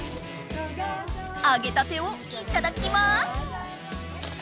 あげたてをいただきます！